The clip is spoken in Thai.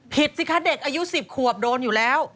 สิคะเด็กอายุ๑๐ขวบโดนอยู่แล้ว